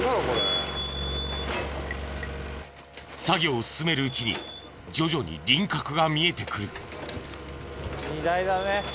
作業を進めるうちに徐々に輪郭が見えてくる。